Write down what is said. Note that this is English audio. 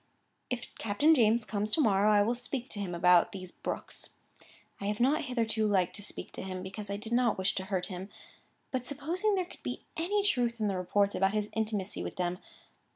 "If Captain James comes to morrow, I will speak to him about these Brookes. I have not hitherto liked to speak to him, because I did not wish to hurt him, by supposing there could be any truth in the reports about his intimacy with them.